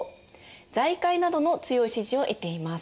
財界などの強い支持を得ています。